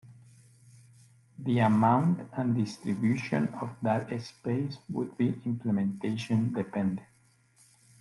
The amount and distribution of that space would be implementation dependent.